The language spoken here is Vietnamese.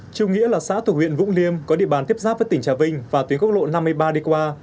trung nghĩa là xã thuộc huyện vũng liêm có địa bàn tiếp giáp với tỉnh trà vinh và tuyến quốc lộ năm mươi ba đi qua